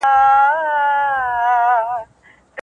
د دولتونو ترمنځ تفاهم د سولي ضمانت کوي.